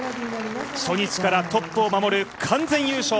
初日からトップを守る完全優勝。